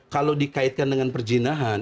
kalau dikaitkan dengan perjinahan